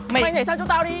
mày nhảy sang chỗ tao đi